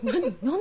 何？